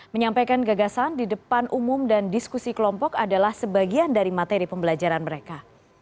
menyampaikan gagasan di depan umum dan diskusi kelompok adalah sebagian dari materi pembelajaran mereka